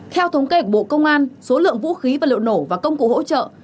theo thống kê của bộ công an số lượng vũ khí vật liệu nổ và công cụ hỗ trợ